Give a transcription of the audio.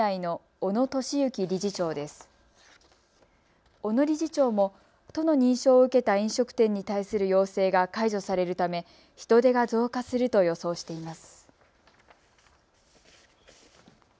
小野理事長も都の認証を受けた飲食店に対する要請が解除されるため人出が増加すると予想しています。